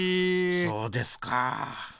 そうですか。